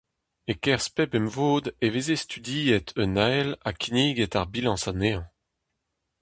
E-kerzh pep emvod e veze studiet un ahel ha kinniget ar bilañs anezhañ.